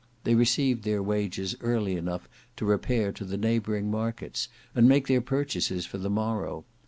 They received their wages early enough to repair to the neighbouring markets and make their purchases for the morrow.